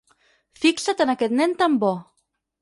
Fixa't en aquest nen tan bo.